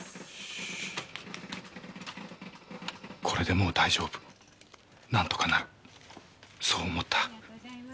これでもう大丈夫なんとかなるそう思った。